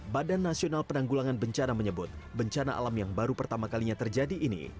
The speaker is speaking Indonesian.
badan nasional penanggulangan bencana menyebut bencana alam yang baru pertama kalinya terjadi ini